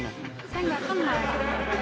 saya enggak kenal